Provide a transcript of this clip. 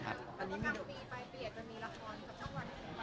อันนี้กำลังปีไปเปลี่ยนจะมีละครกับช่องวันต้นปีไหม